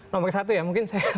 nomor satu ya mungkin